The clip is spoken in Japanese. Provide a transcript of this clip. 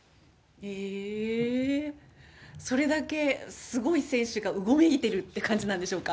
へぇー、それだけすごい選手がうごめいているって感じなんでしょうか。